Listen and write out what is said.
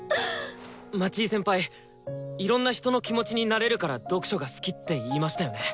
町井先輩「いろんな人の気持ちになれるから読書が好き」って言いましたよね？